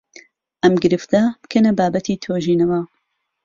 ئهم گرفته بکهنه بابهتی تویژینهوه